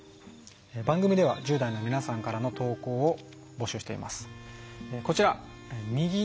番組では１０代の皆さんからの投稿を募集しています。